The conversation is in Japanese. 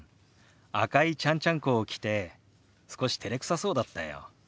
赤いちゃんちゃんこを着て少してれくさそうだったよ。